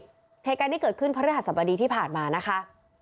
เหตุการณ์ที่เกิดขึ้นพระฤหัสบดีที่ผ่านมานะคะ